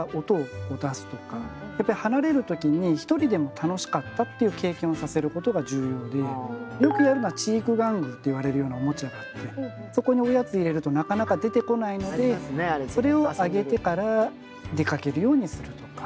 やっぱり離れる時に一人でも楽しかったっていう経験をさせることが重要でよくやるのは知育玩具といわれるようなおもちゃがあってそこにおやつを入れるとなかなか出てこないのでそれをあげてから出かけるようにするとか。